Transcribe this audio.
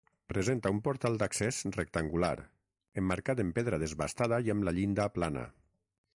Presenta un portal d'accés rectangular emmarcat en pedra desbastada i amb la llinda plana.